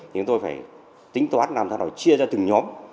chúng tôi phải tính toán làm theo đó chia ra từng nhóm